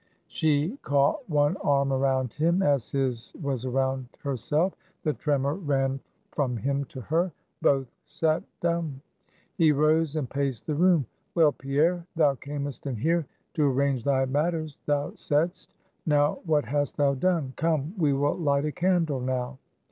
She caught one arm around him, as his was around herself; the tremor ran from him to her; both sat dumb. He rose, and paced the room. "Well, Pierre; thou camest in here to arrange thy matters, thou saidst. Now what hast thou done? Come, we will light a candle now."